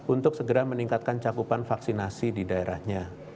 untuk segera meningkatkan cakupan vaksinasi di daerahnya